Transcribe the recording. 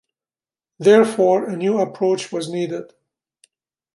Therefore, a new approach was needed.